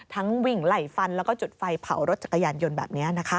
วิ่งไล่ฟันแล้วก็จุดไฟเผารถจักรยานยนต์แบบนี้นะคะ